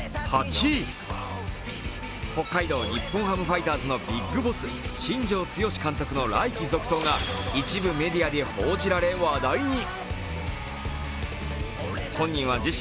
北海道日本ハムファイターズのＢＩＧＢＯＳＳ、新庄剛志監督の来期続投が一部メディアで報じられ、話題に。